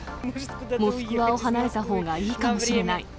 モスクワを離れたほうがいいかもしれない。